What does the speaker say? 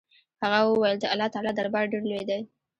هغه وويل د الله تعالى دربار ډېر لوى دې.